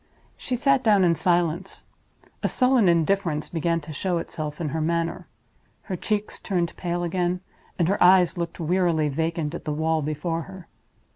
She sat down in silence. A sullen indifference began to show itself in her manner; her cheeks turned pale again; and her eyes looked wearily vacant at the wall before her.